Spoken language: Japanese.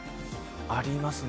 ありますね。